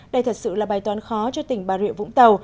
đây thật sự là bài toán khó cho tỉnh bà rịa vũng tàu